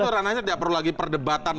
dan itu rananya tidak perlu lagi perdebatan